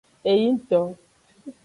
Eyingto.